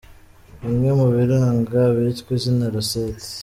Bimwe mu biranga abitwa izina Rosette.